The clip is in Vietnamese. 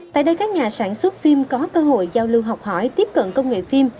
tại đây các nhà sản xuất phim có cơ hội giao lưu học hỏi tiếp cận công nghệ phim